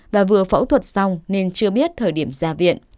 và vừa phẫu thuật xong nên chưa biết thời điểm ra viện